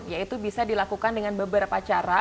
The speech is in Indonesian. yaitu bisa dilakukan dengan beberapa cara